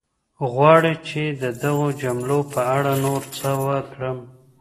غواړې چې د دغو جملو په اړه نور څه وکړم؟